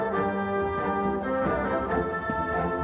สวัสดีครับ